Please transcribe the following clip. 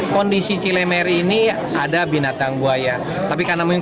kondisi cilemeri ini ada binatang buaya